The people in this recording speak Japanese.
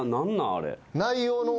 あれ。